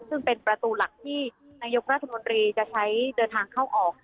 ซึ่งเป็นประตูหลักที่นายกรัฐมนตรีจะใช้เดินทางเข้าออก